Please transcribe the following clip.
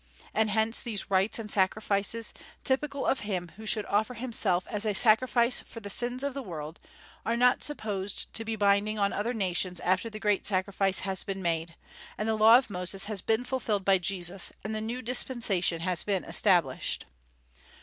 And hence these rites and sacrifices, typical of Him who should offer Himself as a sacrifice for the sins of the world, are not supposed to be binding on other nations after the great sacrifice has been made, and the law of Moses has been fulfilled by Jesus and the new dispensation has been established.